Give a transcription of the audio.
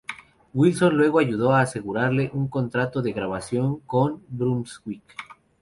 Wilson luego ayudó a asegurarle un contrato de grabación con Brunswick.